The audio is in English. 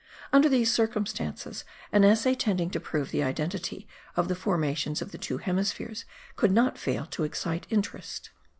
Under these circumstances an essay tending to prove the identity of the formations of the two hemispheres could not fail to excite interest.